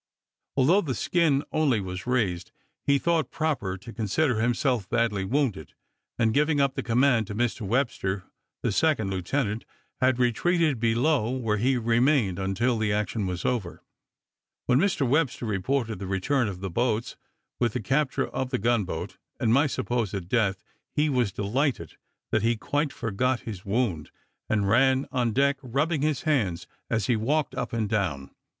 Although the skin only was razed, he thought proper to consider himself badly wounded; and giving up the command to Mr Webster, the second lieutenant, had retreated below, where he remained until the action was over. When Mr Webster reported the return of the boats, with the capture of the gun boat, and my supposed death, he was delighted, that he quite forgot his wound, and ran on deck, rubbing his hands as he walked up and down.